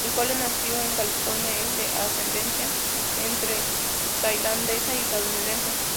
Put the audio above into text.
Nicole, nació en California, es de ascendencia entre tailandesa y estadounidense.